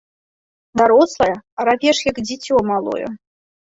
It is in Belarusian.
Дарослая, а равеш як дзіцё малое.